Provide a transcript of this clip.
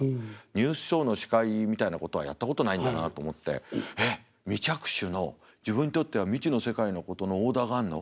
ニュースショーの司会みたいなことはやったことないんだなと思って「えっ未着手の自分にとっては未知の世界のことのオーダーがあるの？